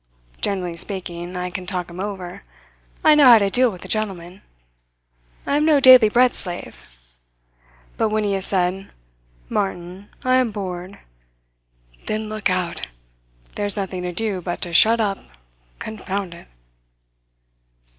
Generally speaking, I can talk him over. I know how to deal with a gentleman. I am no daily bread slave. But when he has said, 'Martin, I am bored,' then look out! There's nothing to do but to shut up, confound it!"